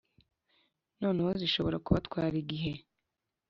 nanone zishobora kubatwara igihe